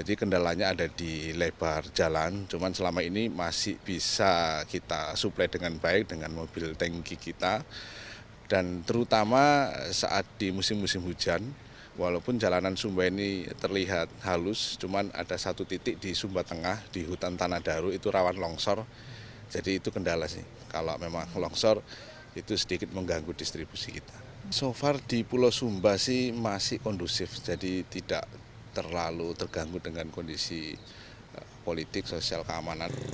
ini masih kondusif jadi tidak terlalu terganggu dengan kondisi politik sosial keamanan